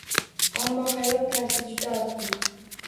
Ammo hayot tarzi juda oddiy